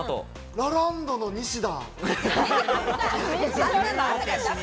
ラランドの西田。